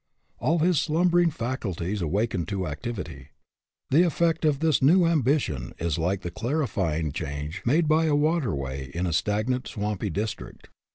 All his slumbering faculties awaken to activity. The effect of this new ambition is like the clarifying change made by a water way in a stagnant, swampy district.